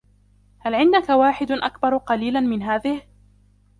هل عندك واحد أكبر قليلًا من هذه ؟